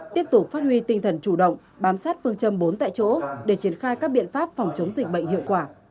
tiếp tục phát huy tinh thần chủ động bám sát phương châm bốn tại chỗ để triển khai các biện pháp phòng chống dịch bệnh hiệu quả